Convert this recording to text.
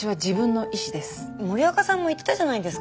森若さんも言ってたじゃないですか